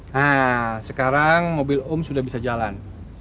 nah sekarang mobil om sudah bisa jalan